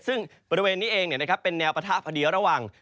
ซึ่งบริเวณนี้เองเป็นแนวปะทะพอดีระหว่าง